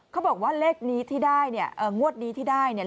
เขาบอกว่าเลขนี้ที่ได้เนี่ยงวดนี้ที่ได้เนี่ย